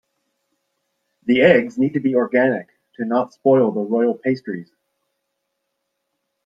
The eggs need to be organic to not spoil the royal pastries.